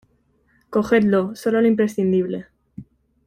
cogedlo ; solo lo imprescindible.